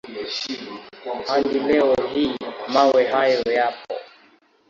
Hadi leo hii mawe hayo yapo.